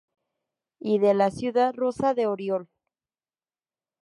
Y de la ciudad rusa de Oriol.